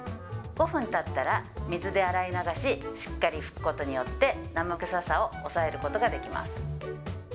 ５分たったら、水で洗い流し、しっかり拭くことによって、生臭さを抑えることができます。